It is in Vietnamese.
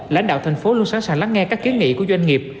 lãnh đạo thành phố luôn sẵn sàng lắng nghe các kiến nghị của doanh nghiệp